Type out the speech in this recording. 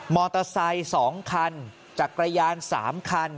อเตอร์ไซค์๒คันจักรยาน๓คัน